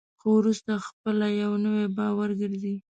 خو وروسته خپله یو نوی باور ګرځي.